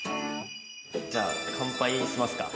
じゃあ乾杯しますか。